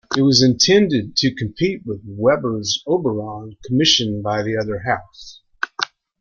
It was intended to compete with Weber's "Oberon", commissioned by the other house.